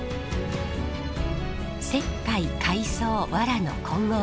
石灰海藻わらの混合物です。